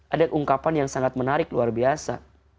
ada ungkapan yang sangat menarik luar biasa